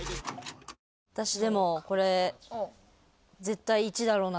私でもこれ絶対１だろうなって。